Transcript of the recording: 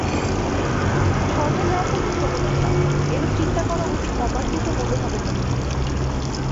স্বর্গে যাওয়া তো অতি ছোট কথা, এরূপ চিন্তা করা অতি অমার্জিত মনোভাবের লক্ষণ।